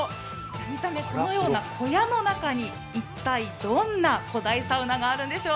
見た目このような小屋の中に一体どんな古代サウナがあるんでしょう。